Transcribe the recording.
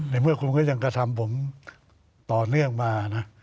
ในเมื่อคุณก็ยังกระทำผมต่อเนื่องมานะ